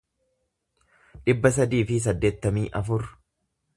dhibba sadii fi saddeettamii afur